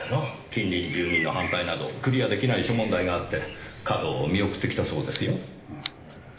近隣住民の反対などクリアできない諸問題があって稼動を見送ってきたそうですよ。